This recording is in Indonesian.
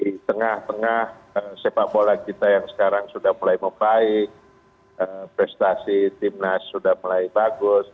di tengah tengah sepak bola kita yang sekarang sudah mulai membaik prestasi timnas sudah mulai bagus